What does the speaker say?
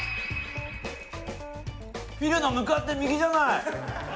フィルの向かって右じゃない。